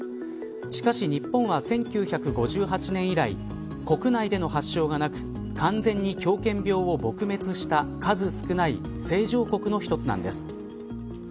しかし、日本は１９５８年以来国内での発症がなく完全に狂犬病を撲滅した数少ない清浄国の一つなんです。